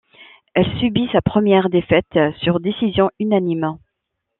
Elle subit sa première défaite sur décision unanime.